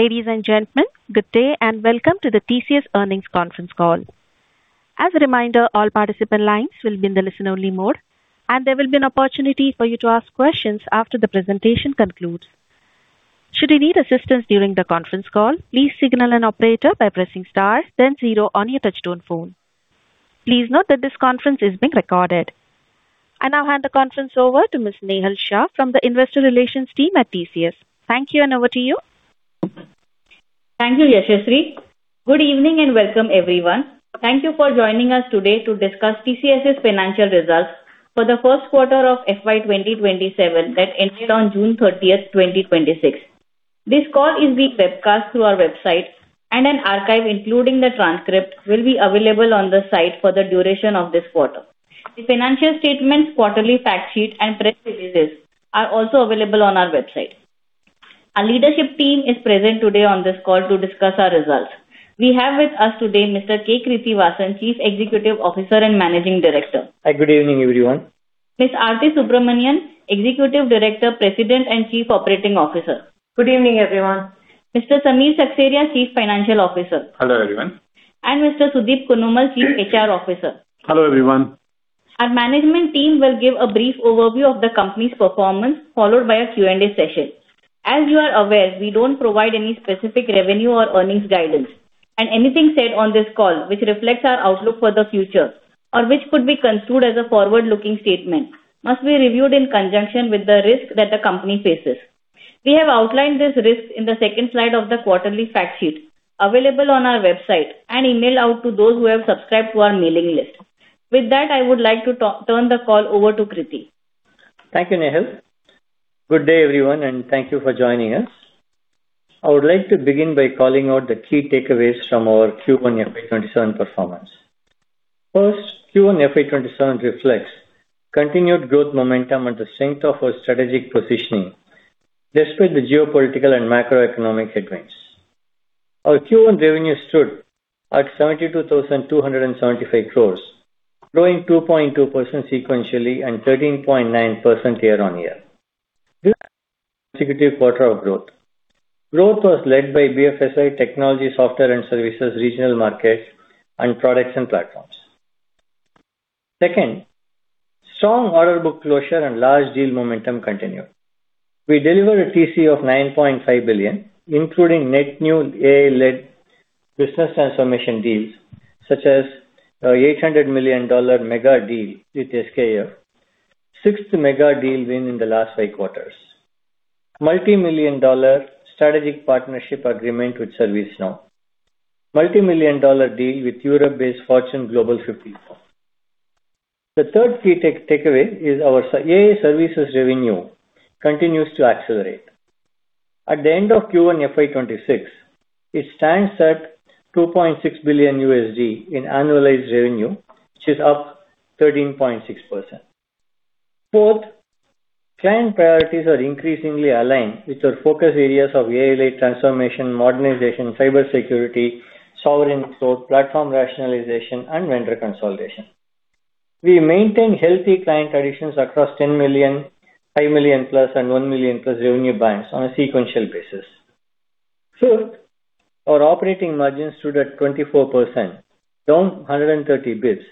Ladies and gentlemen, good day and welcome to the TCS earnings conference call. As a reminder, all participant lines will be in the listen-only mode. There will be an opportunity for you to ask questions after the presentation concludes. Should you need assistance during the conference call, please signal an operator by pressing star then zero on your touch-tone phone. Please note that this conference is being recorded. I now hand the conference over to Ms. Nehal Shah from the Investor Relations team at TCS. Thank you. Over to you. Thank you, Yashaswin. Good evening and welcome everyone. Thank you for joining us today to discuss TCS' financial results for the first quarter of FY 2027 that ended on June 30th, 2026. This call is being webcast through our website. An archive, including the transcript, will be available on the site for the duration of this quarter. The financial statements, quarterly fact sheet, and press releases are also available on our website. Our leadership team is present today on this call to discuss our results. We have with us today Mr. K. Krithivasan, Chief Executive Officer and Managing Director. Hi. Good evening, everyone. Ms. Aarthi Subramanian, Executive Director, President, and Chief Operating Officer. Good evening, everyone. Mr. Samir Seksaria, Chief Financial Officer. Hello, everyone. Mr. Sudeep Kunnumal, Chief HR Officer. Hello, everyone. Our management team will give a brief overview of the company's performance, followed by a Q&A session. As you are aware, we don't provide any specific revenue or earnings guidance, and anything said on this call which reflects our outlook for the future or which could be construed as a forward-looking statement must be reviewed in conjunction with the risk that the company faces. We have outlined this risk in the second slide of the quarterly fact sheet available on our website and emailed out to those who have subscribed to our mailing list. With that, I would like to turn the call over to Krithi. Thank you, Nehal. Good day, everyone, and thank you for joining us. I would like to begin by calling out the key takeaways from our Q1 FY 2027 performance. First, Q1 FY 2027 reflects continued growth momentum and the strength of our strategic positioning despite the geopolitical and macroeconomic headwinds. Our Q1 revenue stood at 72,275 crore, growing 2.2% sequentially and 13.9% year-on-year. This is our consecutive quarter of growth. Growth was led by BFSI technology software and services regional market and products and platforms. Second, strong order book closure and large deal momentum continued. We delivered a TC of $9.5 billion, including net new AI-led business transformation deals, such as our $800 million megadeals with SKF. Sixth megadeals win in the last five quarters. Multi-million dollar strategic partnership agreement with ServiceNow. Multi-million dollar deal with Europe-based Fortune Global 500 firm. The third key takeaway is our AI services revenue continues to accelerate. At the end of Q1 FY 2027, it stands at $2.6 billion in annualized revenue, which is up 13.6%. Fourth, client priorities are increasingly aligned with our focus areas of AI-led transformation, modernization, cybersecurity, Sovereign Cloud, platform rationalization, and vendor consolidation. We maintain healthy client additions across $10 million, $5 million+ and $1 million+ revenue bands on a sequential basis. Fifth, our operating margin stood at 24%, down 130 basis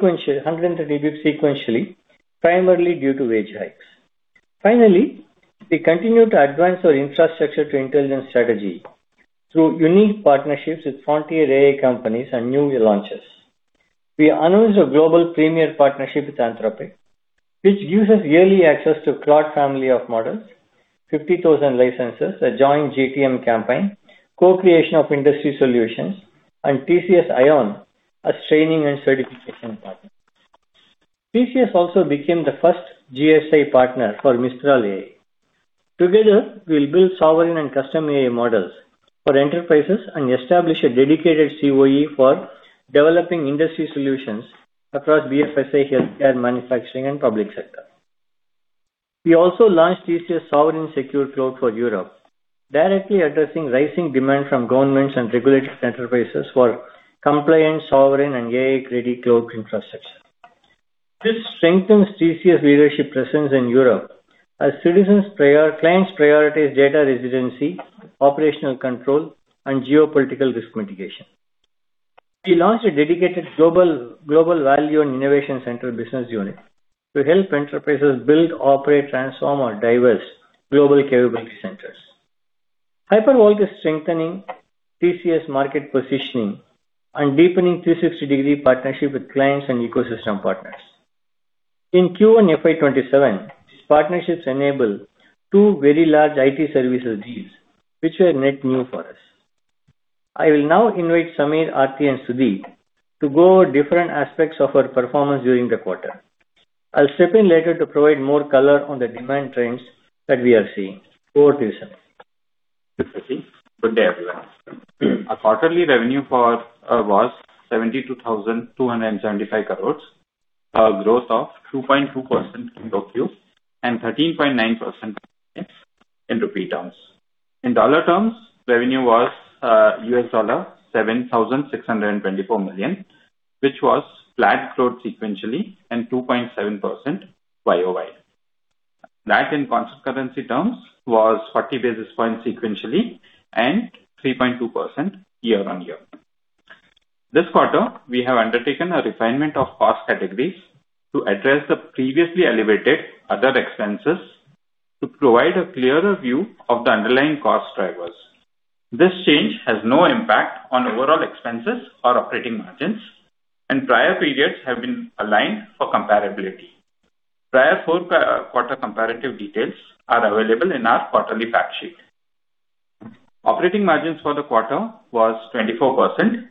points sequentially, primarily due to wage hikes. Finally, we continue to advance our infrastructure to intelligence strategy through unique partnerships with frontier AI companies and new launches. We announced a global premier partnership with Anthropic, which gives us early access to Claude family of models, 50,000 licenses, a joint GTM campaign, co-creation of industry solutions, and TCS iON as training and certification partner. TCS also became the first GSI partner for Mistral AI. Together, we will build sovereign and custom AI models for enterprises and establish a dedicated COE for developing industry solutions across BFSI, healthcare, manufacturing, and public sector. We also launched TCS SovereignSecure Cloud for Europe, directly addressing rising demand from governments and regulated enterprises for compliant, sovereign, and AI-ready cloud infrastructure. This strengthens TCS leadership presence in Europe as clients' priorities data residency, operational control, and geopolitical risk mitigation. We launched a dedicated global value and innovation center business unit to help enterprises build, operate, transform, or diverse global capability centers. HyperVault is strengthening TCS market positioning and deepening 360-degree partnership with clients and ecosystem partners. In Q1 FY 2027, partnerships enabled two very large IT services deals, which were net new for us. I will now invite Samir, Aarthi, and Sudeep to go over different aspects of our performance during the quarter. I'll step in later to provide more color on the demand trends that we are seeing. Over to you, sir. Thank you. Good day, everyone. Our quarterly revenue was 72,275 crores, a growth of 2.2% from the Q and 13.9% in INR terms. In dollar terms, revenue was $7,624 million, which was flat growth sequentially and 2.7% Y-o-Y. That in constant currency terms was 40 basis points sequentially and 3.2% year-on-year. This quarter, we have undertaken a refinement of cost categories to address the previously elevated other expenses to provide a clearer view of the underlying cost drivers. This change has no impact on overall expenses or operating margins, and prior periods have been aligned for comparability. Prior four quarter comparative details are available in our quarterly fact sheet. Operating margins for the quarter was 24%,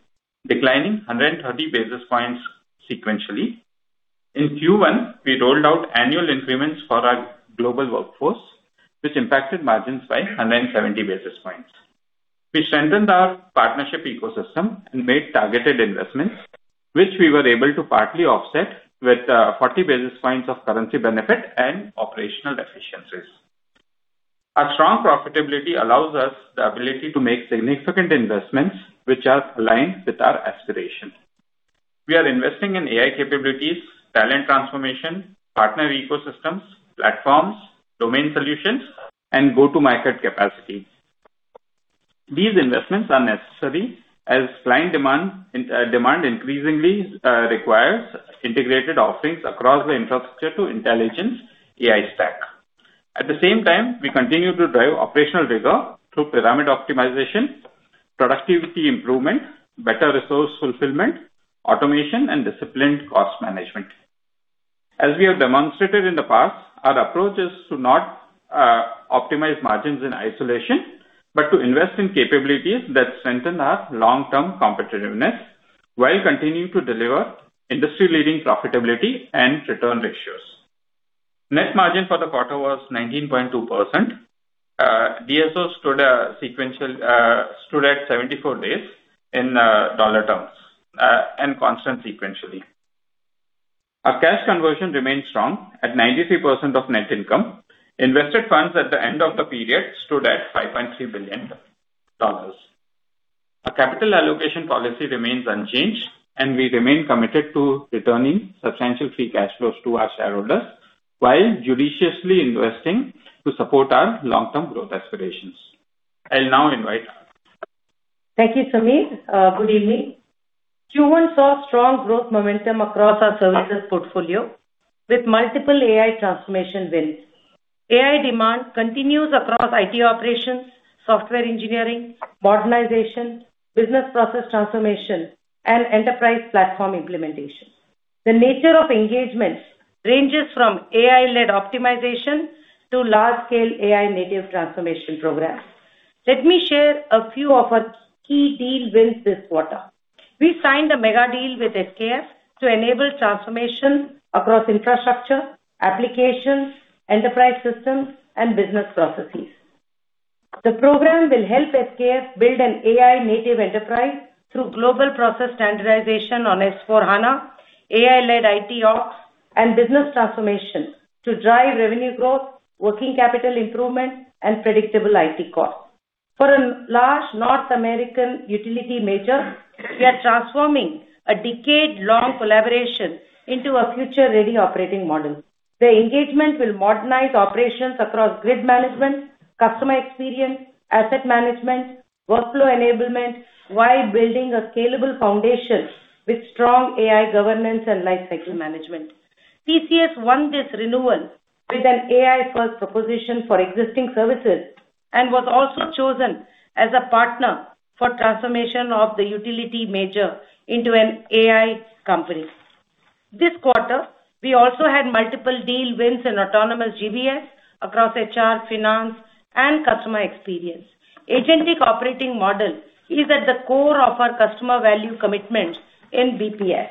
declining 130 basis points sequentially. In Q1, we rolled out annual increments for our global workforce, which impacted margins by 170 basis points. We strengthened our partnership ecosystem and made targeted investments, which we were able to partly offset with 40 basis points of currency benefit and operational efficiencies. Our strong profitability allows us the ability to make significant investments which are aligned with our aspirations. We are investing in AI capabilities, talent transformation, partner ecosystems, platforms, domain solutions, and go-to-market capacity. These investments are necessary as client demand increasingly requires integrated offerings across the infrastructure to intelligence AI stack. At the same time, we continue to drive operational rigor through pyramid optimization, productivity improvement, better resource fulfillment, automation, and disciplined cost management. As we have demonstrated in the past, our approach is to not optimize margins in isolation, but to invest in capabilities that strengthen our long-term competitiveness while continuing to deliver industry-leading profitability and return ratios. Net margin for the quarter was 19.2%. DSO stood at 74 days in dollar terms and constant sequentially. Our cash conversion remains strong at 93% of net income. Invested funds at the end of the period stood at $5.3 billion. Our capital allocation policy remains unchanged. We remain committed to returning substantial free cash flows to our shareholders while judiciously investing to support our long-term growth aspirations. I will now invite Aarthi. Thank you, Samir. Good evening. Q1 saw strong growth momentum across our services portfolio with multiple AI transformation wins. AI demand continues across IT operations, software engineering, modernization, business process transformation, and enterprise platform implementation. The nature of engagements ranges from AI-led optimization to large-scale AI native transformation programs. Let me share a few of our key deal wins this quarter. We signed a megadeals with SKF to enable transformation across infrastructure, applications, enterprise systems, and business processes. The program will help SKF build an AI-native enterprise through global process standardization on S/4HANA, AI-led IT ops, and business transformation to drive revenue growth, working capital improvement, and predictable IT costs. For a large North American utility major, we are transforming a decade-long collaboration into a future-ready operating model. The engagement will modernize operations across grid management, customer experience, asset management, workflow enablement, while building a scalable foundation with strong AI governance and lifecycle management. TCS won this renewal with an AI-first proposition for existing services and was also chosen as a partner for transformation of the utility major into an AI company. This quarter, we also had multiple deal wins in Autonomous GBS across HR, finance, and customer experience. Agentic operating model is at the core of our customer value commitment in BPS.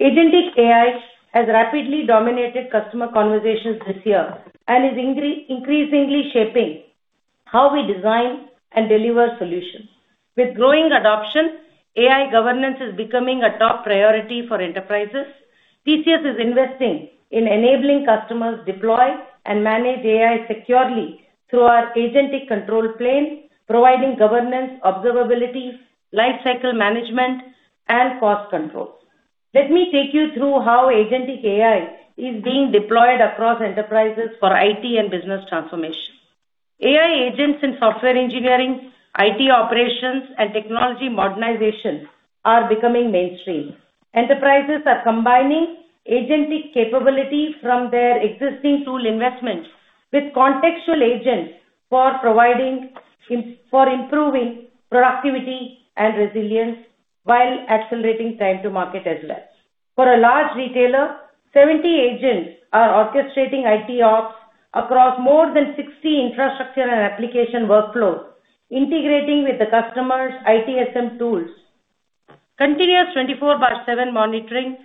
Agentic AI has rapidly dominated customer conversations this year and is increasingly shaping how we design and deliver solutions. With growing adoption, AI governance is becoming a top priority for enterprises. TCS is investing in enabling customers deploy and manage AI securely through our agentic control plane, providing governance, observability, lifecycle management, and cost control. Let me take you through how agentic AI is being deployed across enterprises for IT and business transformation. AI agents in software engineering, IT operations, and technology modernization are becoming mainstream. Enterprises are combining agentic capabilities from their existing tool investments with contextual agents for improving productivity and resilience While accelerating time to market as less. For a large retailer, 70 agents are orchestrating IT Ops across more than 60 infrastructure and application workflows, integrating with the customer's ITSM tools. Continuous 24/7 monitoring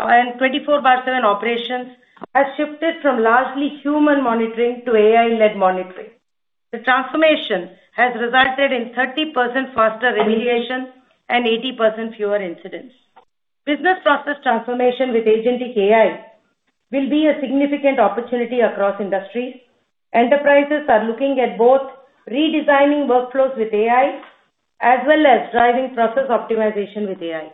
and 24/7 operations has shifted from largely human monitoring to AI-led monitoring. The transformation has resulted in 30% faster remediation and 80% fewer incidents. Business process transformation with agentic AI will be a significant opportunity across industries. Enterprises are looking at both redesigning workflows with AI, as well as driving process optimization with AI.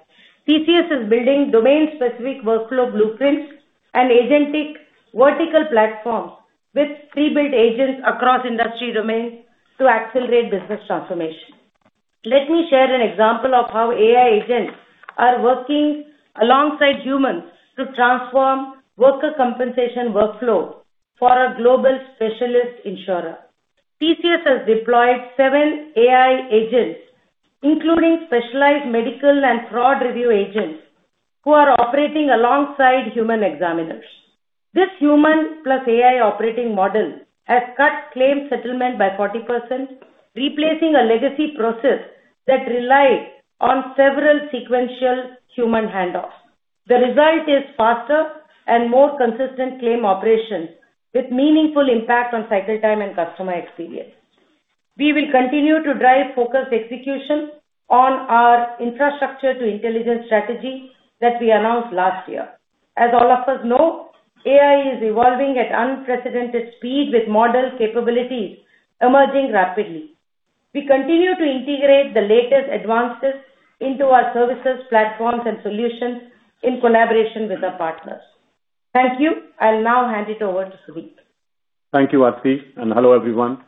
TCS is building domain-specific workflow blueprints and agentic vertical platforms with pre-built agents across industry domains to accelerate business transformation. Let me share an example of how AI agents are working alongside humans to transform worker compensation workflow for a global specialist insurer. TCS has deployed seven AI agents, including specialized medical and fraud review agents, who are operating alongside human examiners. This human plus AI operating model has cut claims settlement by 40%, replacing a legacy process that relied on several sequential human handoffs. The result is faster and more consistent claim operations with meaningful impact on cycle time and customer experience. We will continue to drive focused execution on our infrastructure to intelligence strategy that we announced last year. As all of us know, AI is evolving at unprecedented speed with model capabilities emerging rapidly. We continue to integrate the latest advances into our services, platforms, and solutions in collaboration with our partners. Thank you. I'll now hand it over to Sudeep. Thank you, Aarthi, hello, everyone.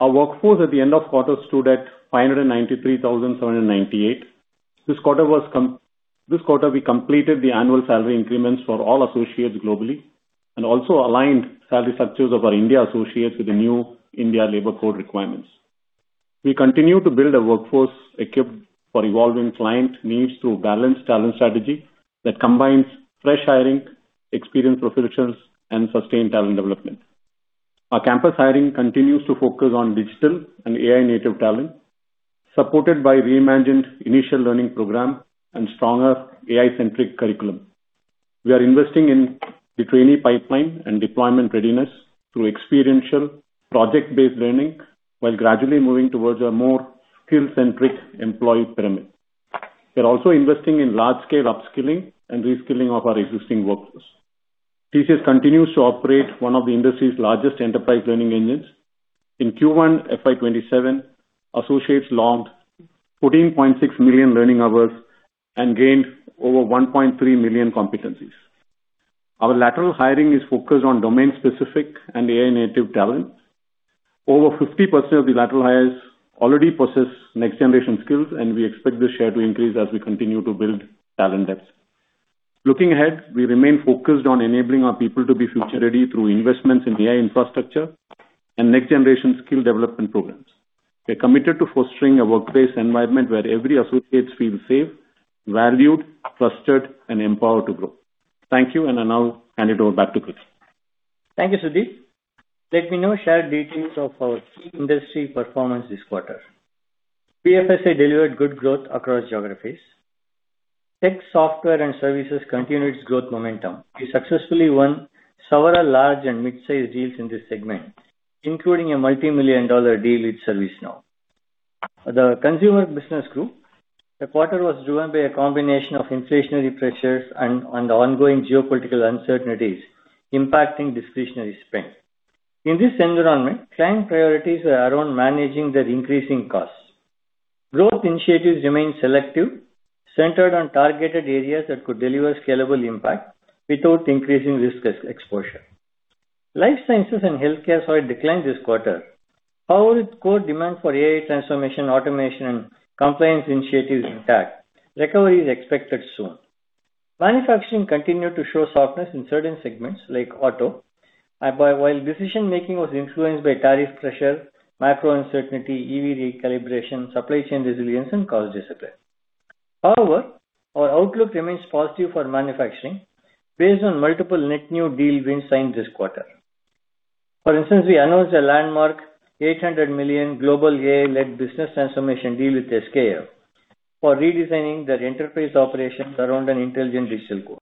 Our workforce at the end of quarter stood at 593,798. This quarter we completed the annual salary increments for all associates globally and also aligned salary structures of our India associates with the new India Labour Code requirements. We continue to build a workforce equipped for evolving client needs through balanced talent strategy that combines fresh hiring, experienced professionals, and sustained talent development. Our campus hiring continues to focus on digital and AI-native talent, supported by reimagined initial learning program and stronger AI-centric curriculum. We are investing in the trainee pipeline and deployment readiness through experiential project-based learning while gradually moving towards a more skill-centric employee pyramid. We're also investing in large-scale upskilling and reskilling of our existing workforce. TCS continues to operate one of the industry's largest enterprise learning engines. In Q1 FY 2027, associates logged 14.6 million learning hours and gained over 1.3 million competencies. Our lateral hiring is focused on domain-specific and AI-native talent. Over 50% of the lateral hires already possess next-generation skills. We expect this share to increase as we continue to build talent depth. Looking ahead, we remain focused on enabling our people to be future ready through investments in AI infrastructure and next-generation skill development programs. We are committed to fostering a workplace environment where every associate feels safe, valued, trusted, and empowered to grow. Thank you, I'll now hand it over back to Krithi. Thank you, Sudeep. Let me now share details of our key industry performance this quarter. BFSI delivered good growth across geographies. Tech software and services continued its growth momentum. We successfully won several large and mid-sized deals in this segment, including a multimillion-dollar deal with ServiceNow. The Consumer Business Group, the quarter was driven by a combination of inflationary pressures and the ongoing geopolitical uncertainties impacting discretionary spend. In this environment, client priorities are around managing their increasing costs. Growth initiatives remain selective, centered on targeted areas that could deliver scalable impact without increasing risk exposure. Life Sciences and Healthcare saw a decline this quarter. However, with core demand for AI transformation, automation, and compliance initiatives intact, recovery is expected soon. Manufacturing continued to show softness in certain segments like auto, while decision making was influenced by tariff pressure, macro uncertainty, EV recalibration, supply chain resilience, and cost discipline. Our outlook remains positive for Manufacturing based on multiple net new deal wins signed this quarter. For instance, we announced a landmark $800 million global AI-led business transformation deal with SKF for redesigning their enterprise operations around an intelligent digital core.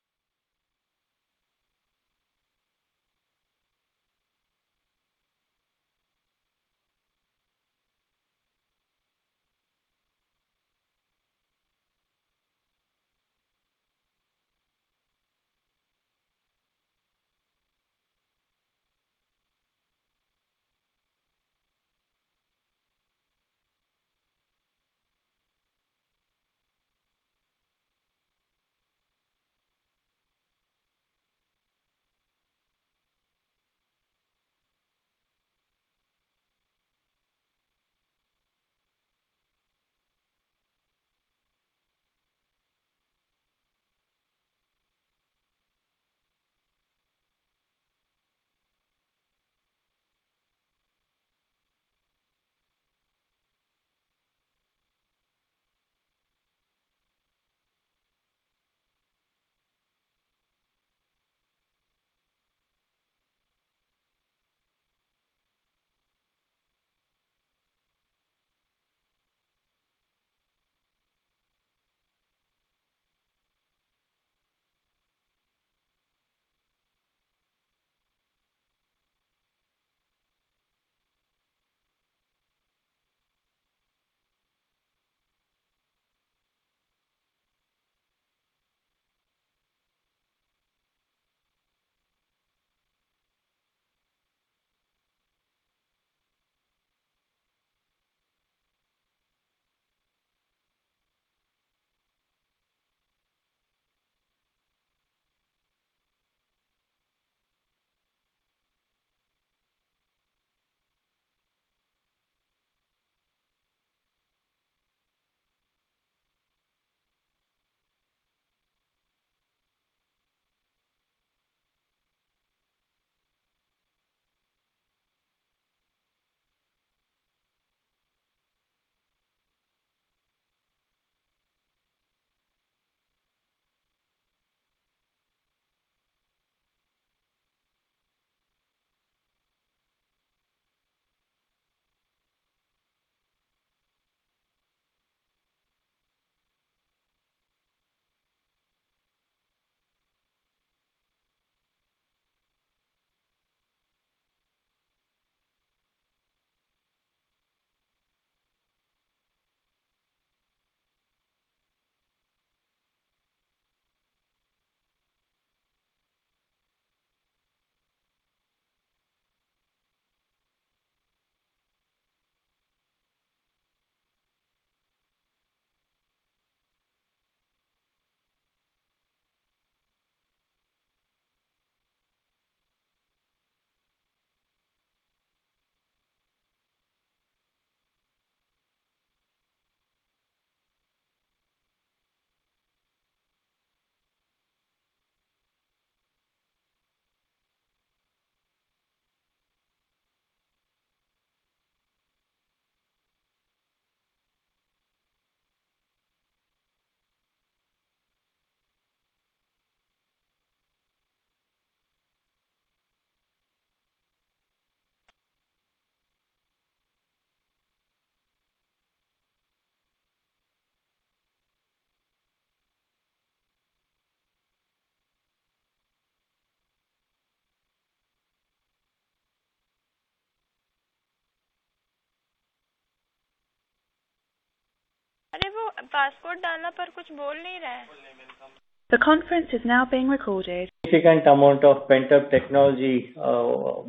Significant amount of pent-up technology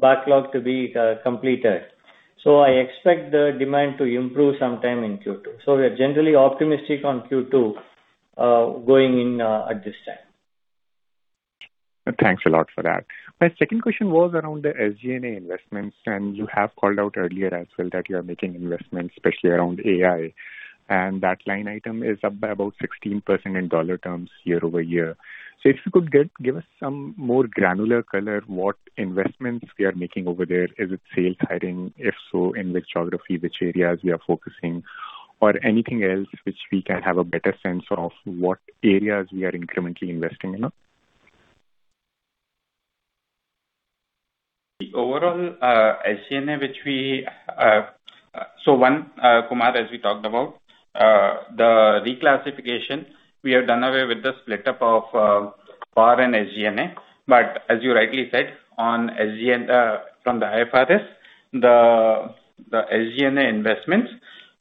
backlog to be completed. I expect the demand to improve sometime in Q2. We are generally optimistic on Q2, going in at this time. Thanks a lot for that. My second question was around the SG&A investments, and you have called out earlier as well that you are making investments, especially around AI, and that line item is up by about 16% in dollar terms year-over-year. If you could give us some more granular color, what investments we are making over there. Is it sales hiring? If so, in which geography, which areas we are focusing or anything else which we can have a better sense of what areas we are incrementally investing in? The overall SG&A, one, Kumar, as we talked about, the reclassification, we have done away with the split up of foreign SG&A. As you rightly said, from the IFRS, the SG&A investments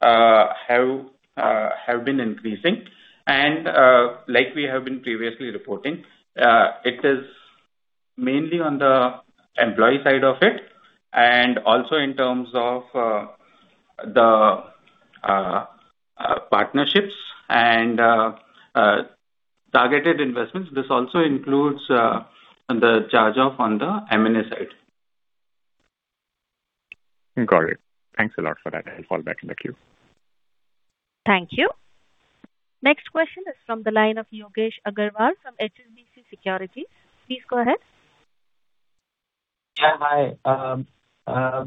have been increasing and, like we have been previously reporting, it is mainly on the employee side of it and also in terms of the partnerships and targeted investments. This also includes the charge-off on the M&A side. Got it. Thanks a lot for that. I'll fall back in the queue. Thank you. Next question is from the line of Yogesh Aggarwal from HSBC Securities. Please go ahead. Yeah. Hi,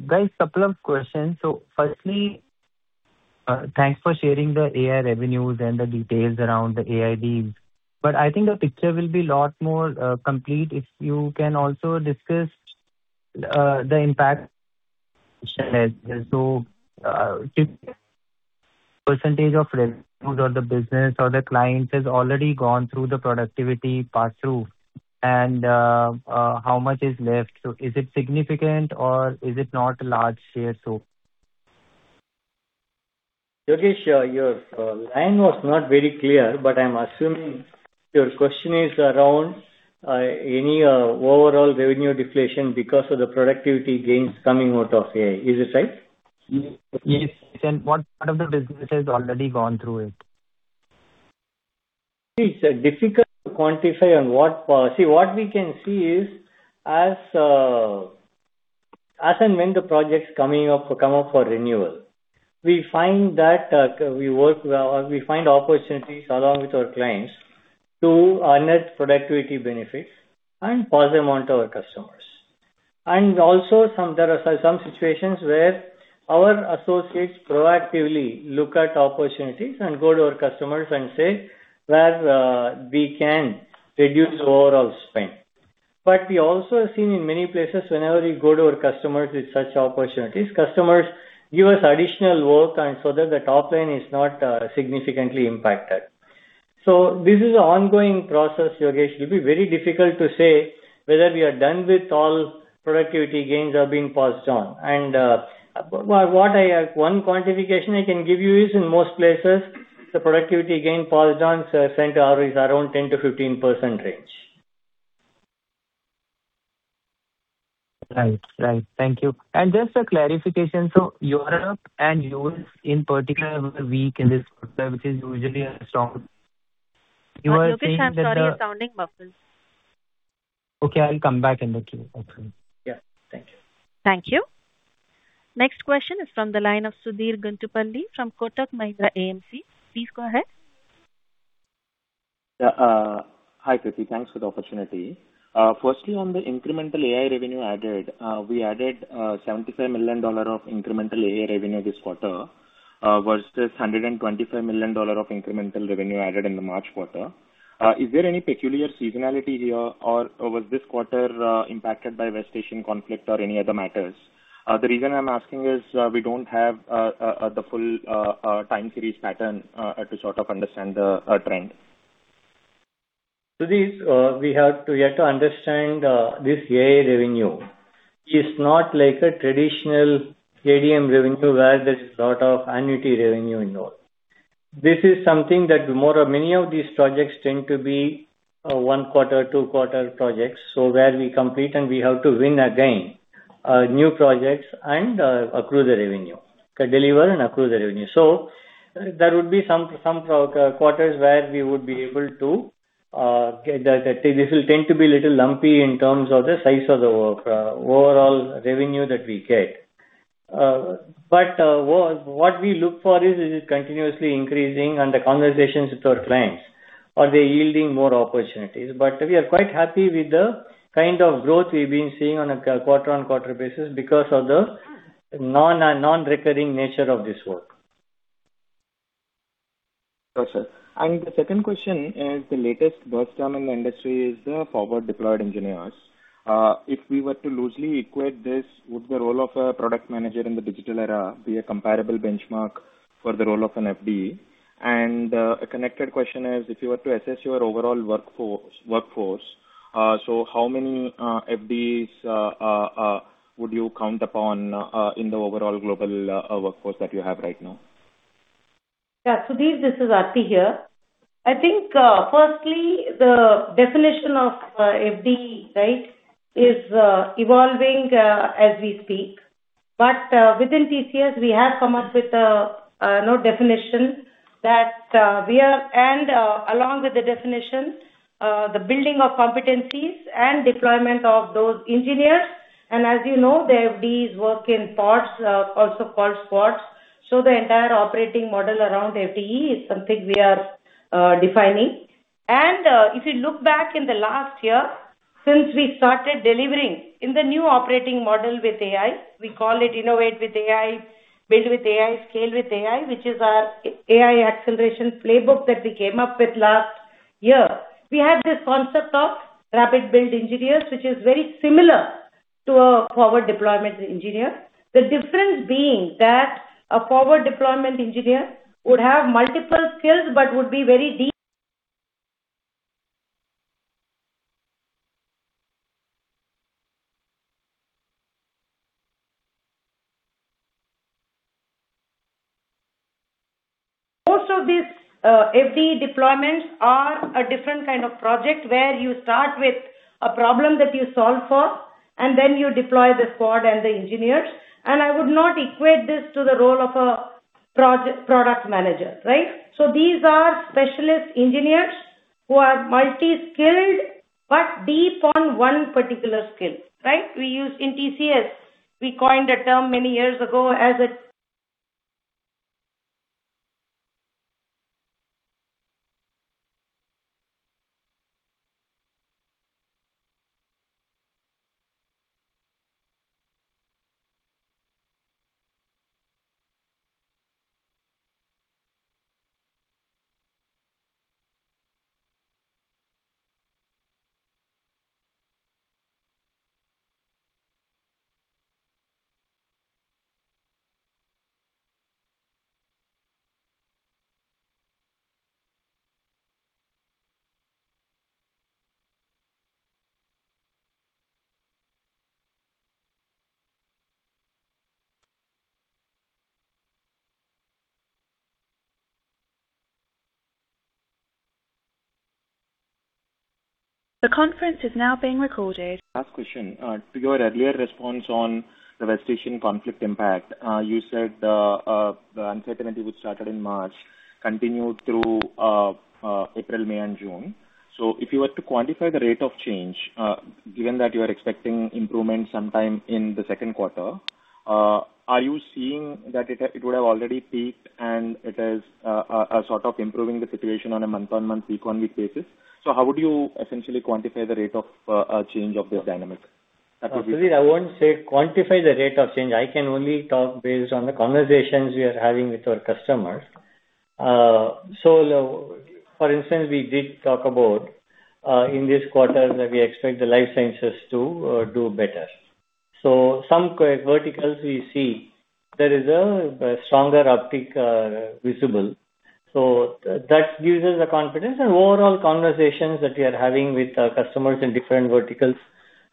guys. Couple of questions. Firstly, thanks for sharing the AI revenues and the details around the AI deals, I think the picture will be a lot more complete if you can also discuss the impact percentage of revenues or the business or the clients has already gone through the productivity pass through and how much is left. Is it significant or is it not a large share? Yogesh, your line was not very clear, I'm assuming your question is around any overall revenue deflation because of the productivity gains coming out of AI. Is this right? Yes. What part of the business has already gone through it? It's difficult to quantify on what. What we can see is as and when the projects come up for renewal We find opportunities along with our clients to unearth productivity benefits and pass them on to our customers. Also, there are some situations where our associates proactively look at opportunities and go to our customers and say where we can reduce the overall spend. We also have seen in many places, whenever we go to our customers with such opportunities, customers give us additional work so that the top line is not significantly impacted. This is an ongoing process, Yogesh. It'll be very difficult to say whether we are done with all productivity gains are being passed on. One quantification I can give you is in most places, the productivity gain passed on center hour is around 10%-15% range. Right. Thank you. Just a clarification, Europe and U.S. in particular were weak in this quarter, which is usually a strong. You are saying that the Yogesh, I'm sorry, you're sounding muffled. Okay, I'll come back in the queue [inaudible] Yeah. Thank you. Thank you. Next question is from the line of Sudheer Guntupalli from Kotak Mahindra AMC. Please go ahead. Yeah. Hi, Krithi. Thanks for the opportunity. Firstly, on the incremental AI revenue added. We added $75 million of incremental AI revenue this quarter, versus $125 million of incremental revenue added in the March quarter. Is there any peculiar seasonality here or was this quarter impacted by West Asian conflict or any other matters? The reason I'm asking is, we don't have the full time series pattern to sort of understand the trend. Sudheer, we have yet to understand this AI revenue. It is not like a traditional ADM revenue where there is a lot of annuity revenue involved. This is something that many of these projects tend to be a one quarter, two quarter projects. Where we complete and we have to win again, new projects and accrue the revenue. Deliver and accrue the revenue. There would be some quarters where we would be able to. This will tend to be a little lumpy in terms of the size of the work, overall revenue that we get. What we look for is it continuously increasing and the conversations with our clients, are they yielding more opportunities? We are quite happy with the kind of growth we have been seeing on a quarter-on-quarter basis because of the non-recurring nature of this work. Got you. The second question is the latest buzz term in the industry is the forward deployed engineers. If we were to loosely equate this, would the role of a product manager in the digital era be a comparable benchmark for the role of an FDE? A connected question is, if you were to assess your overall workforce, how many FDEs would you count upon in the overall global workforce that you have right now? Sudheer, this is Aarthi here. Firstly, the definition of FDE is evolving as we speak. Within TCS, we have come up with a definition and along with the definition, the building of competencies and deployment of those engineers. As you know, the FDEs work in pods, also called squads. The entire operating model around FDE is something we are defining. If you look back in the last year, since we started delivering in the new operating model with AI, we call it Innovate with AI, Build with AI, Scale with AI, which is our AI Acceleration Playbook that we came up with last year. We had this concept of rapid build engineers, which is very similar to a forward deployment engineer. The difference being that a forward deployment engineer would have multiple skills, but would be very deep [inaudible] Most of these FDE deployments are a different kind of project where you start with a problem that you solve for and then you deploy the squad and the engineers. I would not equate this to the role of a product manager. Right. These are specialist engineers who are multi-skilled, but deep on one particular skill. Right. In TCS, we coined a term many years ago as a [inaudible] Last question. To your earlier response on the West Asian conflict impact, you said the uncertainty which started in March continued through April, May and June. If you were to quantify the rate of change, given that you are expecting improvement sometime in the second quarter- are you seeing that it would have already peaked and it is sort of improving the situation on a month-on-month, week-on-week basis? How would you essentially quantify the rate of change of this dynamic? Sudheer, I won't say quantify the rate of change. I can only talk based on the conversations we are having with our customers. For instance, we did talk about, in this quarter, that we expect the Life Sciences to do better. Some verticals we see there is a stronger uptick visible. That gives us the confidence, and overall conversations that we are having with our customers in different verticals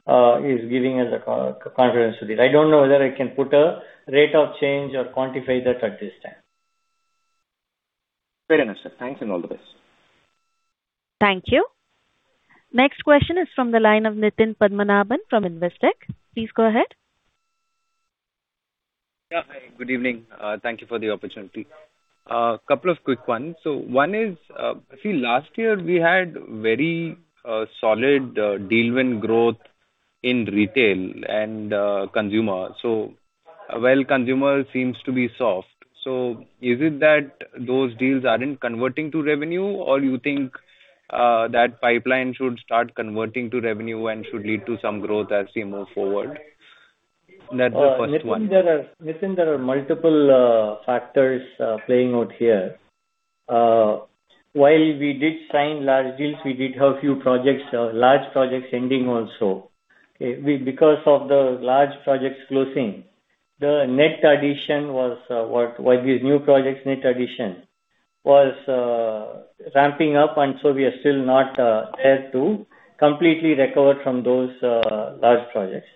is giving us the confidence Sudheer. I don't know whether I can put a rate of change or quantify that at this time. Very nice, sir. Thanks, and all the best. Thank you. Next question is from the line of Nitin Padmanabhan from Investec. Please go ahead. Yeah, hi. Good evening. Thank you for the opportunity. Couple of quick ones. One is, I feel last year we had very solid deal win growth in retail and consumer. While consumer seems to be soft, is it that those deals aren't converting to revenue, or you think that pipeline should start converting to revenue and should lead to some growth as we move forward? That's the first one. Nitin, there are multiple factors playing out here. While we did sign large deals, we did have few large projects ending also. Because of the large projects closing, the net addition was what the new projects net addition was ramping up, and we are still not there to completely recover from those large projects.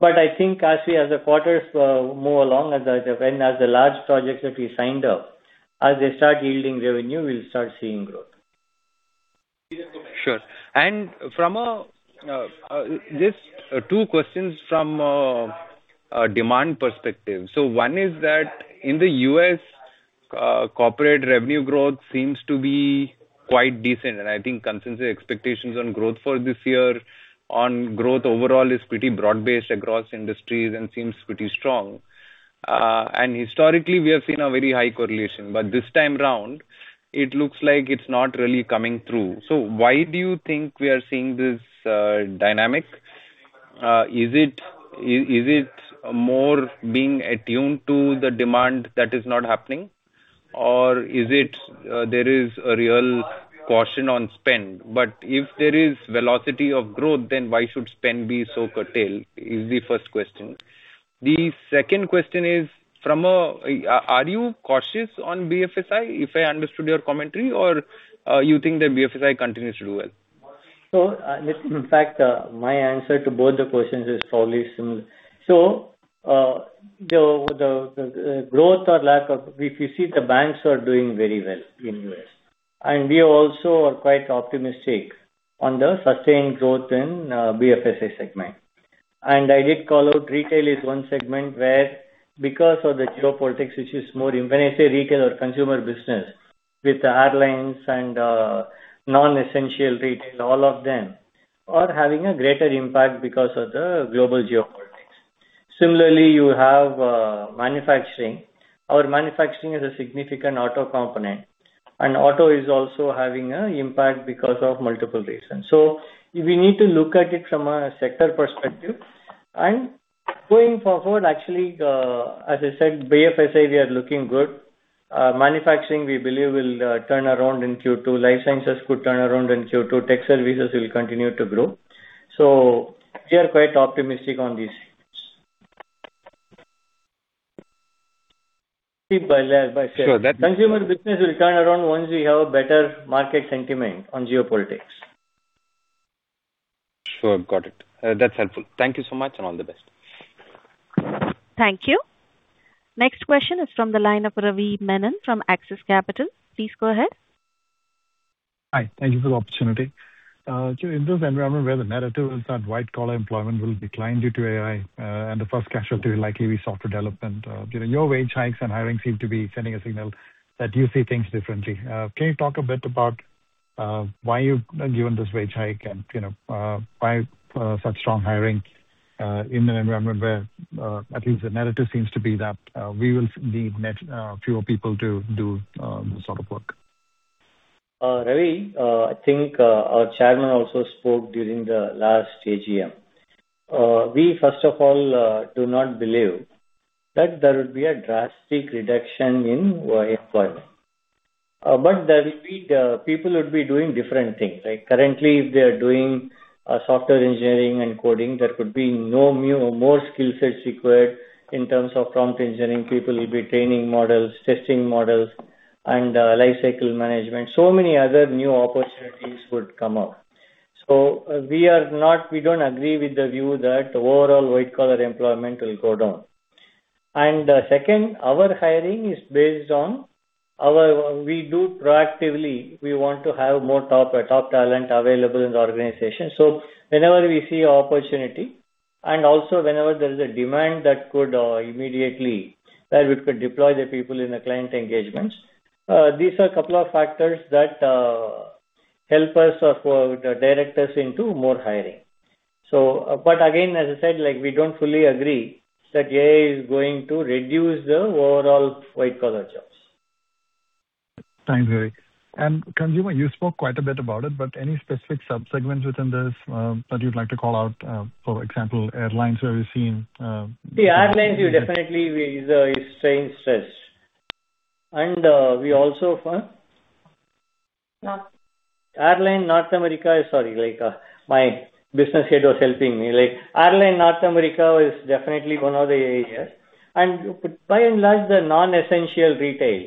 I think as the quarters move along, as the large projects that we signed up, as they start yielding revenue, we'll start seeing growth. Sure. Just two questions from a demand perspective. One is that in the U.S., corporate revenue growth seems to be quite decent, I think consensus expectations on growth for this year, on growth overall is pretty broad-based across industries and seems pretty strong. Historically, we have seen a very high correlation, but this time around, it looks like it's not really coming through. Why do you think we are seeing this dynamic? Is it more being attuned to the demand that is not happening? Or is it there is a real caution on spend? If there is velocity of growth, then why should spend be so curtailed? Is the first question. The second question is, are you cautious on BFSI, if I understood your commentary, or you think that BFSI continues to do well? Nitin, in fact, my answer to both the questions is probably similar. The growth or lack of, if you see the banks are doing very well in U.S., and we also are quite optimistic on the sustained growth in BFSI segment. I did call out retail is one segment where because of the geopolitics, When I say retail or consumer business with the airlines and non-essential retail, all of them are having a greater impact because of the global geopolitics. Similarly, you have manufacturing. Our manufacturing has a significant auto component, and auto is also having a impact because of multiple reasons. We need to look at it from a sector perspective. Going forward, actually, as I said, BFSI, we are looking good. Manufacturing, we believe will turn around in Q2. Life Sciences could turn around in Q2. Tech Services will continue to grow. We are quite optimistic on these. Sure. Consumer business will turn around once we have a better market sentiment on geopolitics. Sure. Got it. That's helpful. Thank you so much, and all the best. Thank you. Next question is from the line of Ravi Menon from Axis Capital. Please go ahead. Hi. Thank you for the opportunity. In this environment where the narrative is that white-collar employment will decline due to AI, the first casualty likely be software development. During your wage hikes and hiring seem to be sending a signal that you see things differently. Can you talk a bit about why you've given this wage hike and why such strong hiring in an environment where at least the narrative seems to be that we will need net fewer people to do this sort of work? Ravi, I think our Chairman also spoke during the last AGM. We first of all do not believe that there would be a drastic reduction in employment. There will be people would be doing different things. Like currently, if they are doing software engineering and coding, there could be more skill sets required in terms of prompt engineering. People will be training models, testing models, and lifecycle management. Many other new opportunities would come up. We don't agree with the view that overall white-collar employment will go down. Second, our hiring is based on. We do proactively, we want to have more top talent available in the organization. Whenever we see opportunity and also whenever there is a demand that could immediately, where we could deploy the people in the client engagements. These are a couple of factors that help us or direct us into more hiring. Again, as I said, we don't fully agree that AI is going to reduce the overall white-collar jobs. Thanks, Krithi. Consumer, you spoke quite a bit about it, but any specific sub-segments within this that you'd like to call out? For example, airlines, where we're seeing? See, airlines definitely is staying stressed. Airline North America is definitely one of the areas. By and large, the non-essential retail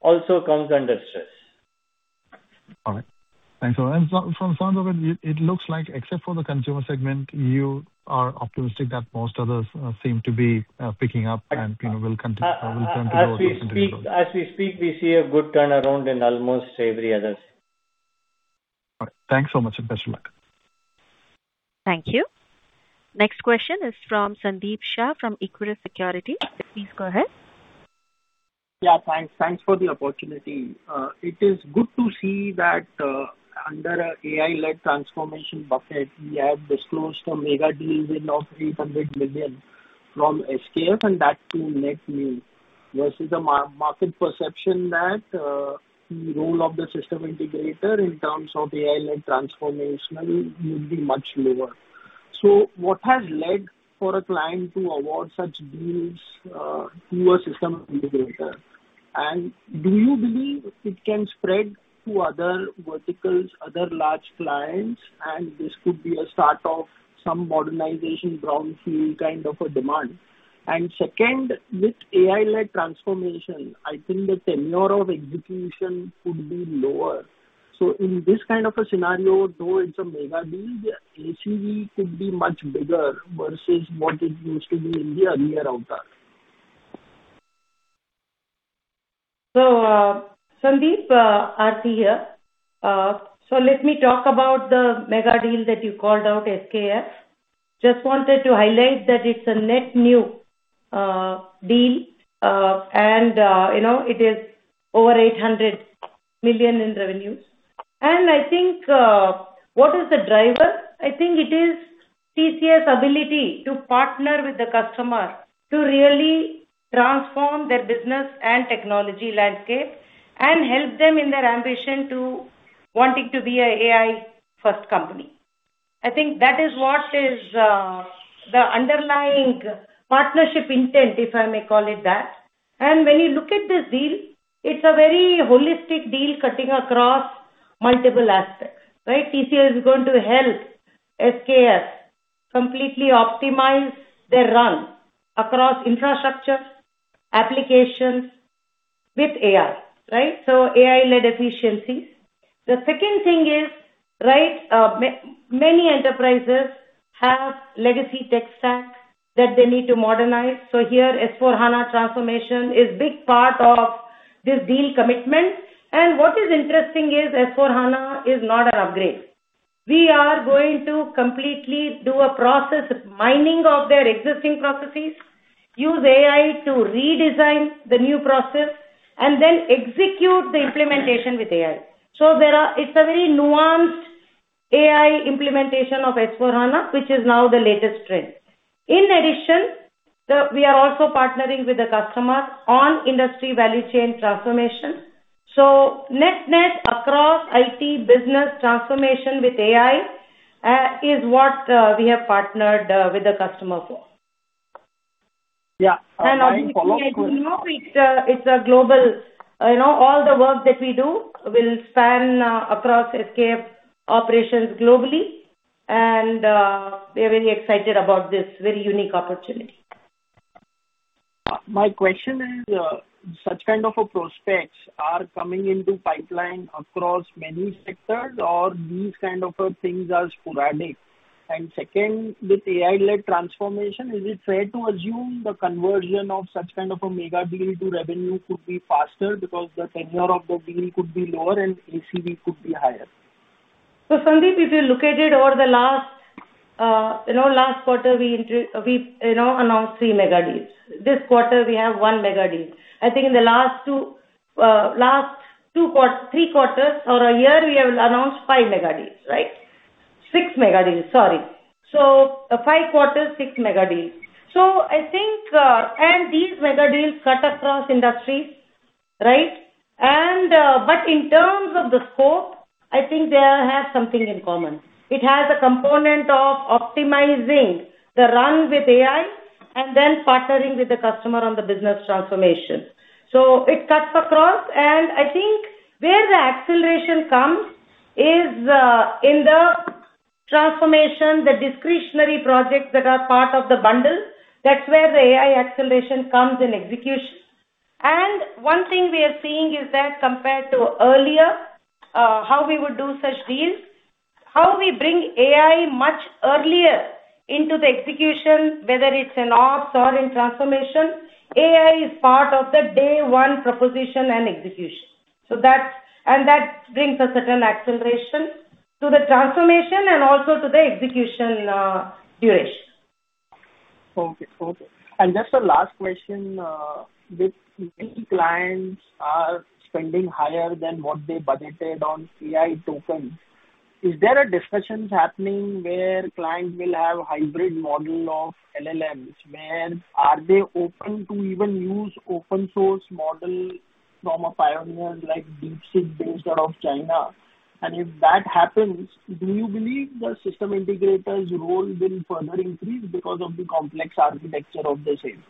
also comes under stress. All right. Thanks. From the sounds of it looks like except for the Consumer segment, you are optimistic that most others seem to be picking up and will continue. As we speak, we see a good turnaround in almost every other. All right. Thanks so much, and best of luck. Thank you. Next question is from Sandeep Shah from Equirus Securities. Please go ahead. Yeah, thanks for the opportunity. It is good to see that under AI-led transformation bucket, we have disclosed a megadeals win of $800 million from SKF and that too net new, versus the market perception that the role of the system integrator in terms of AI-led transformation would be much lower. What has led for a client to award such deals to a system integrator? Do you believe it can spread to other verticals, other large clients, and this could be a start of some modernization brownfield kind of a demand? Second, with AI-led transformation, I think the tenure of execution could be lower. In this kind of a scenario, though it's a megadeals, the ACV could be much bigger versus what it used to be in the earlier avatar. Sandeep, Aarthi here. Let me talk about the megadeals that you called out, SKF. Just wanted to highlight that it's a net new deal. It is over $800 million in revenues. I think what is the driver? I think it is TCS ability to partner with the customer to really transform their business and technology landscape and help them in their ambition to wanting to be an AI first company. I think that is what is the underlying partnership intent, if I may call it that. When you look at this deal, it's a very holistic deal cutting across multiple aspects, right? TCS is going to help SKF completely optimize their run across infrastructure, applications with AI, right? AI-led efficiencies. The second thing is, many enterprises have legacy tech stack that they need to modernize. Here, S/4HANA transformation is big part of this deal commitment. What is interesting is S/4HANA is not an upgrade. We are going to completely do a process mining of their existing processes, use AI to redesign the new process, and then execute the implementation with AI. It's a very nuanced AI implementation of S/4HANA, which is now the latest trend. In addition, we are also partnering with the customer on industry value chain transformation. Net-net across IT business transformation with AI, is what we have partnered with the customer for. Yeah. Additionally, it's global. All the work that we do will span across SKF operations globally. We're very excited about this very unique opportunity. My question is, such kind of prospects are coming into pipeline across many sectors or these kind of things are sporadic? Second, with AI-led transformation, is it fair to assume the conversion of such kind of a megadeals to revenue could be faster because the tenure of the deal could be lower and ACV could be higher? Sandeep, if you look at it over the last quarter, we announced three megadeals. This quarter, we have one megadeals. I think in the last three quarters or a year, we have announced five megadeals, right? Six megadeals. Sorry. Five quarters, six megadeals. These megadeals cut across industries, right? But in terms of the scope, I think they all have something in common. It has a component of optimizing the run with AI and then partnering with the customer on the business transformation. It cuts across, and I think where the acceleration comes is in the transformation, the discretionary projects that are part of the bundle. That's where the AI acceleration comes in execution. One thing we are seeing is that compared to earlier, how we would do such deals, how we bring AI much earlier into the execution, whether it's in ops or in transformation. AI is part of the day one proposition and execution. That brings a certain acceleration to the transformation and also to the execution duration. Okay. Just a last question. With many clients are spending higher than what they budgeted on AI tokens, is there a discussions happening where clients will have hybrid model of LLMs, where are they open to even use open source model from a pioneer like DeepSeek based out of China? If that happens, do you believe the system integrators role will further increase because of the complex architecture of the same?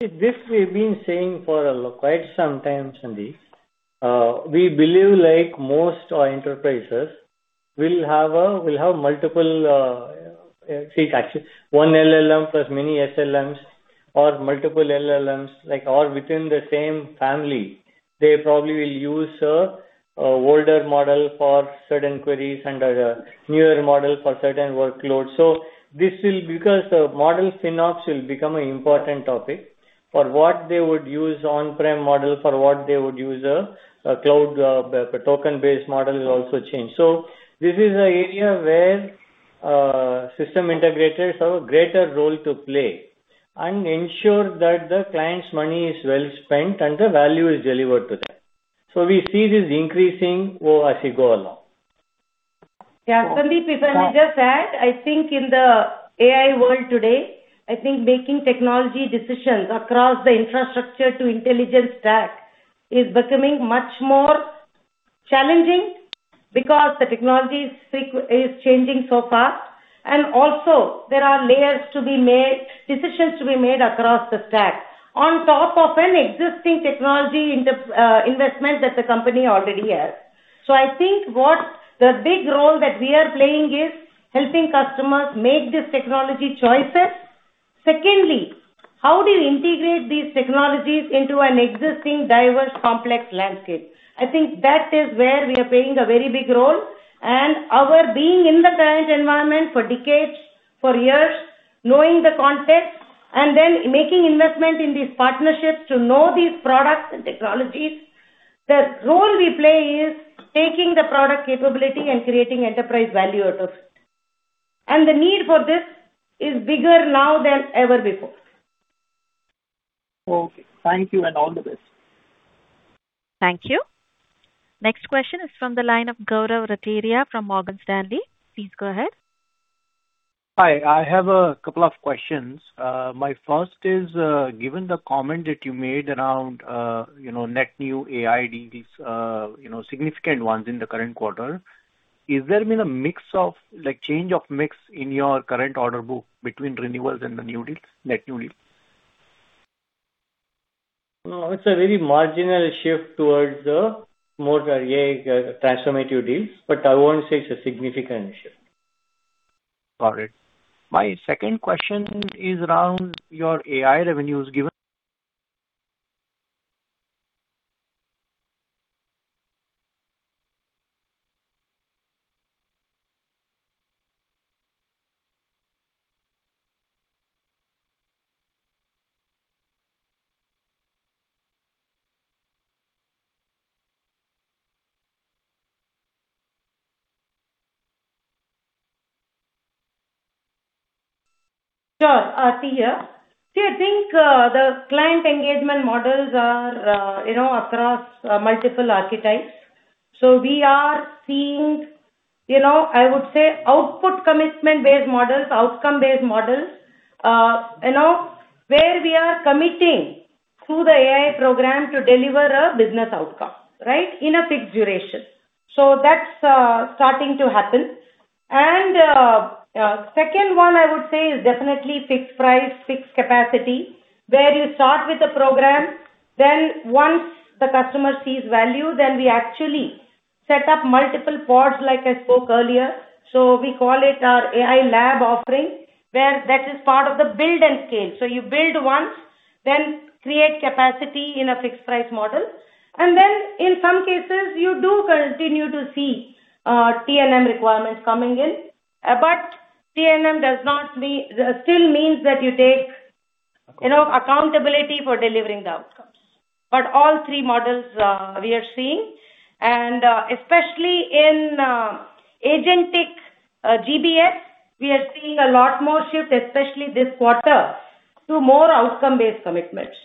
This we've been saying for quite some time, Sandeep. We believe like most enterprises will have multiple stacks. One LLM plus many SLMs or multiple LLMs, all within the same family. They probably will use a older model for certain queries and a newer model for certain workloads. Because the model synapse will become an important topic for what they would use on-prem model, for what they would use a cloud token-based model will also change. This is an area where system integrators have a greater role to play and ensure that the client's money is well spent and the value is delivered to them. We see this increasing as we go along. Yeah. Sandeep, if I may just add, I think in the AI world today, I think making technology decisions across the infrastructure to intelligence stack is becoming much more challenging because the technology is changing so fast, and also there are decisions to be made across the stack on top of an existing technology investment that the company already has. I think what the big role that we are playing is helping customers make these technology choices. Secondly, how do you integrate these technologies into an existing diverse, complex landscape? I think that is where we are playing a very big role and our being in the client environment for decades, for years, knowing the context and then making investment in these partnerships to know these products and technologies. The role we play is taking the product capability and creating enterprise value out of it. The need for this is bigger now than ever before. Okay. Thank you and all the best. Thank you. Next question is from the line of Gaurav Rateria from Morgan Stanley. Please go ahead. Hi. I have a couple of questions. My first is, given the comment that you made around net new AI deals, significant ones in the current quarter, has there been a change of mix in your current order book between renewals and the net new deals? No, it's a very marginal shift towards the more AI transformative deals, but I won't say it's a significant shift. Got it. My second question is around your AI revenues given. Sure. Aarthi here. See, I think, the client engagement models are across multiple archetypes. We are seeing, I would say, output commitment-based models, outcome-based models, where we are committing to the AI program to deliver a business outcome, right, in a fixed duration. That's starting to happen. Second one, I would say is definitely fixed price, fixed capacity, where you start with a program, then once the customer sees value, then we actually set up multiple pods like I spoke earlier. We call it our AI lab offering, where that is part of the build and scale. You build once, then create capacity in a fixed price model, and then in some cases you do continue to see T&M requirements coming in. T&M still means that you take accountability for delivering the outcomes. All three models we are seeing, and especially in agentic GBS, we are seeing a lot more shift, especially this quarter, to more outcome-based commitments.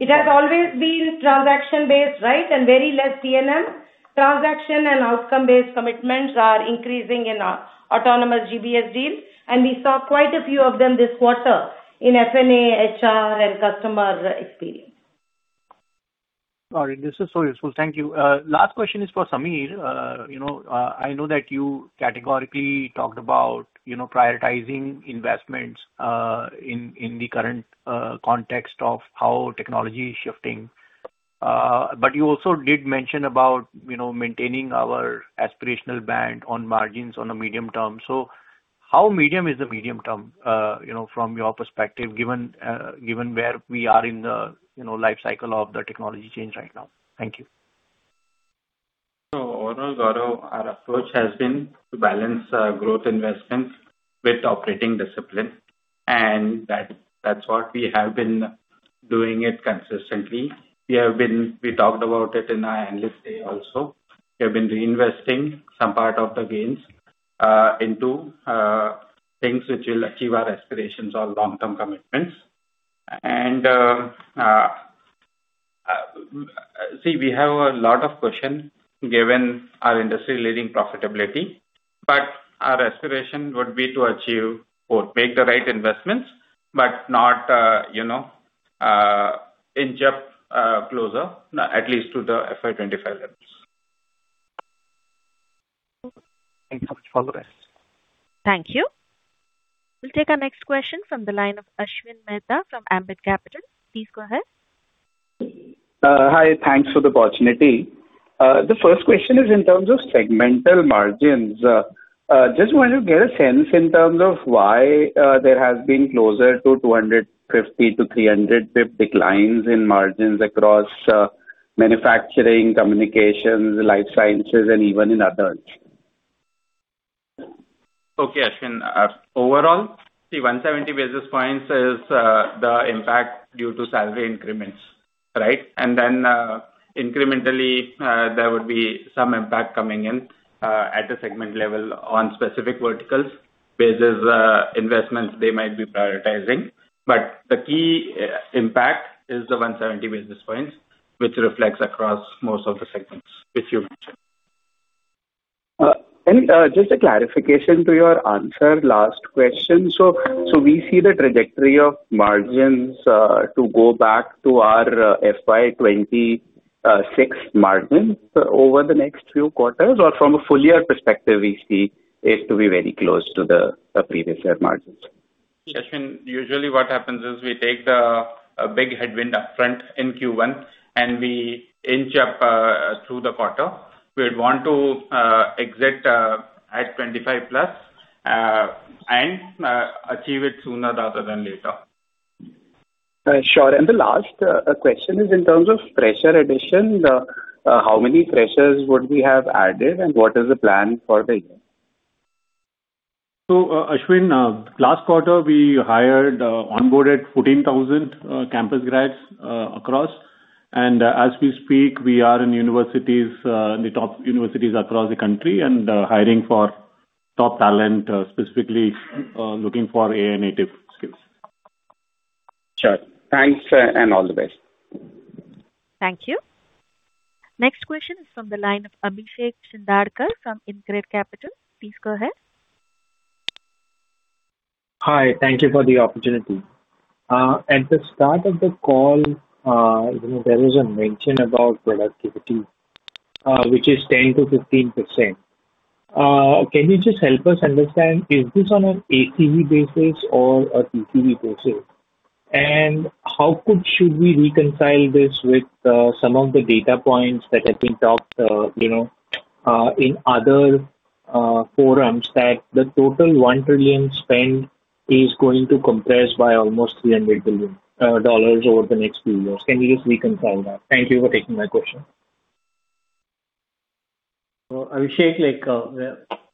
It has always been transaction-based, right, and very less T&M. Transaction and outcome-based commitments are increasing in our autonomous GBS deals, and we saw quite a few of them this quarter in F&A, HR and Customer Experience. All right. This is so useful. Thank you. Last question is for Samir. I know that you categorically talked about prioritizing investments in the current context of how technology is shifting. You also did mention about maintaining our aspirational band on margins on a medium term. How medium is the medium term from your perspective, given where we are in the life cycle of the technology change right now? Thank you. Overall, Gaurav, our approach has been to balance growth investments with operating discipline. That's what we have been doing it consistently. We talked about it in our Analyst Day also. We have been reinvesting some part of the gains into things which will achieve our aspirations or long-term commitments. See, we have a lot of question, given our industry-leading profitability. Our aspiration would be to achieve or make the right investments, but not inch-up closer, at least to the FY 2025 levels. Thank you so much. All the best. Thank you. We will take our next question from the line of Ashwin Mehta from Ambit Capital. Please go ahead. Hi, thanks for the opportunity. The first question is in terms of segmental margins. Just want to get a sense in terms of why there has been closer to 250 basis points-300 basis points declines in margins across manufacturing, communications, life sciences, and even in other. Okay, Ashwin. Overall, see, 170 basis points is the impact due to salary increments, right? Incrementally, there would be some impact coming in, at a segment level on specific verticals, basis investments they might be prioritizing. The key impact is the 170 basis points, which reflects across most of the segments which you mentioned. Just a clarification to your answer, last question. We see the trajectory of margins to go back to our FY 2026 margins over the next few quarters, or from a full-year perspective, we see it to be very close to the previous year margins? Ashwin, usually what happens is we take the big headwind upfront in Q1, and we inch up through the quarter. We'd want to exit at 25%+, and achieve it sooner rather than later. Sure. The last question is in terms of fresher addition. How many freshers would we have added, and what is the plan for the year? Ashwin, last quarter, we hired, onboarded 14,000 campus grads across. As we speak, we are in universities, the top universities across the country, and hiring for top talent, specifically looking for AI-native skills. Sure. Thanks, and all the best. Thank you. Next question is from the line of Abhishek Shindadkar from InCred Capital. Please go ahead. Hi. Thank you for the opportunity. At the start of the call, there was a mention about productivity, which is 10%-15%. Can you just help us understand, is this on an ACV basis or a TCV basis? How should we reconcile this with some of the data points that have been talked, in other forums, that the total $1 trillion spend is going to compress by almost $300 billion over the next few years. Can you just reconcile that? Thank you for taking my question. Abhishek,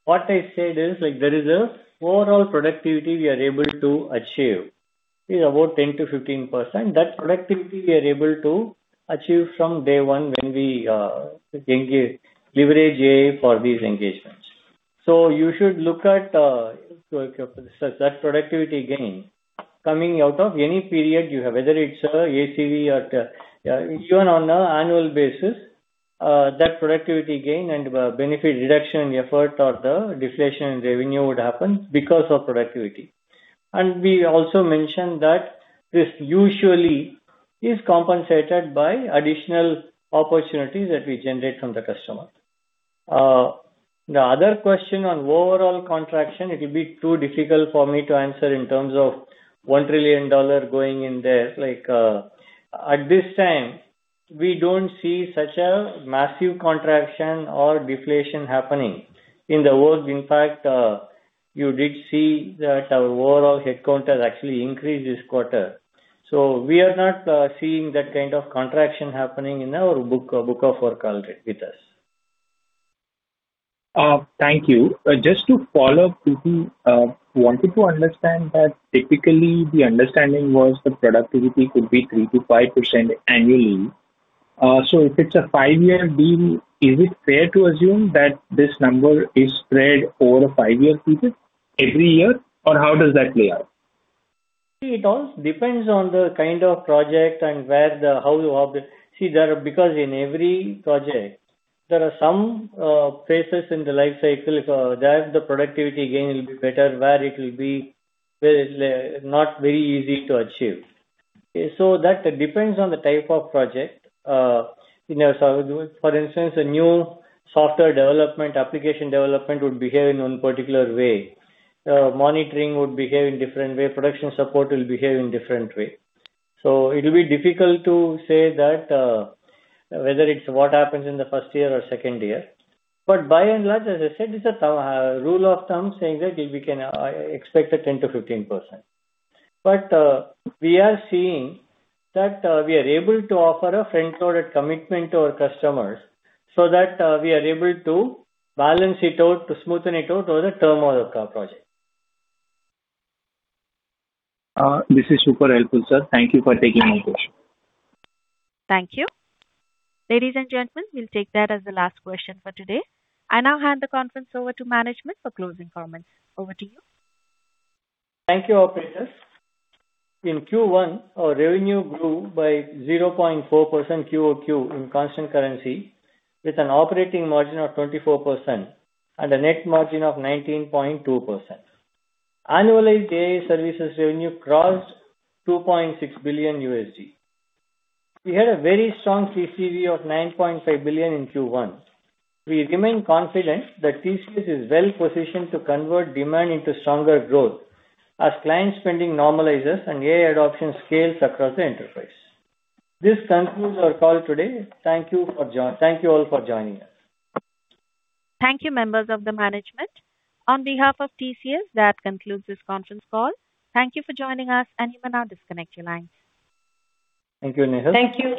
what I said is, there is an overall productivity we are able to achieve. It's about 10%-15%. That productivity we are able to achieve from day one when we leverage AI for these engagements. You should look at that productivity gain coming out of any period you have, whether it's ACV or even on an annual basis, that productivity gain and benefit reduction in effort or the deflation in revenue would happen because of productivity. We also mentioned that this usually is compensated by additional opportunities that we generate from the customer. The other question on overall contraction, it'll be too difficult for me to answer in terms of $1 trillion going in there. At this time, we don't see such a massive contraction or deflation happening. In the world, in fact, you did see that our overall headcount has actually increased this quarter. We are not seeing that kind of contraction happening in our book of work with us. Thank you. Just to follow up, Krithi wanted to understand that typically the understanding was the productivity could be 3%-5% annually. If it's a five-year deal, is it fair to assume that this number is spread over a five-year period every year? How does that play out? It all depends on the kind of project and how you object. Because in every project, there are some phases in the life cycle that the productivity gain will be better, where it will be not very easy to achieve. That depends on the type of project. For instance, a new software development, application development would behave in one particular way. Monitoring would behave in different way. Production support will behave in different way. It will be difficult to say that whether it's what happens in the first year or second year. By and large, as I said, it's a rule of thumb saying that we can expect a 10%-15%. We are seeing that we are able to offer a front-loaded commitment to our customers so that we are able to balance it out, to smoothen it out over the term of our project. This is super helpful, sir. Thank you for taking my question. Thank you. Ladies and gentlemen, we will take that as the last question for today. I now hand the conference over to management for closing comments. Over to you. Thank you, operators. In Q1, our revenue grew by 0.4% Q-o-Q in constant currency with an operating margin of 24% and a net margin of 19.2%. Annualized AI services revenue crossed $2.6 billion. We had a very strong TCV of $9.5 billion in Q1. We remain confident that TCS is well-positioned to convert demand into stronger growth as client spending normalizes and AI adoption scales across the enterprise. This concludes our call today. Thank you all for joining us. Thank you, members of the management. On behalf of TCS, that concludes this conference call. Thank you for joining us, and you may now disconnect your lines. Thank you, Nehal. Thank you.